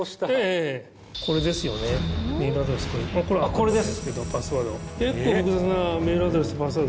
これです。